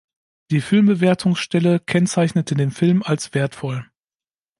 Die Filmbewertungsstelle kennzeichnete den Film als „wertvoll“.